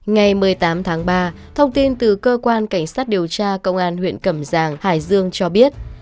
ngày một mươi tám tháng ba thông tin từ cơ quan cảnh sát điều tra công an huyện cẩm giang hải dương cho biết